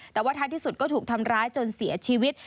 แต่ว่าท้ายที่สุดก็ถูกทำร้ายจนเสียชีวิต